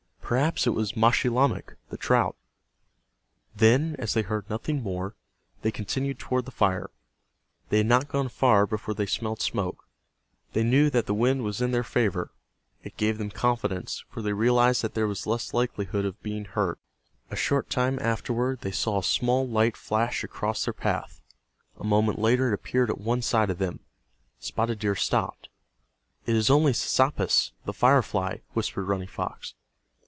"Perhaps it was Maschilamek, the trout." Then, as they heard nothing more, they continued toward the fire. They had not gone far before they smelled smoke. They knew that the wind was in their favor. It gave them confidence, for they realized that there was less likelihood of being heard. A short time afterward they saw a small light flash across their path. A moment later it appeared at one side of them. Spotted Deer stopped. "It is only Sasappis, the fire fly," whispered Running Fox.